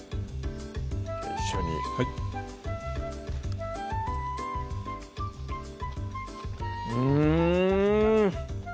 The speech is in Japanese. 一緒にはいうん！